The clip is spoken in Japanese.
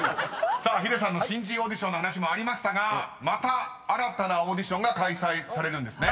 ［ヒデさんの新人オーディションの話もありましたがまた新たなオーディションが開催されるんですね］